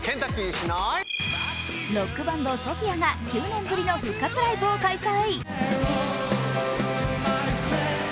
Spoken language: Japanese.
ロックバンド、ＳＯＰＨＩＡが９年ぶりの復活ライブを開催。